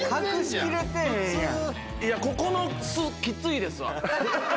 ここの酢きついですわ。